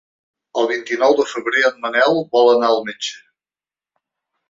El vint-i-nou de febrer en Manel vol anar al metge.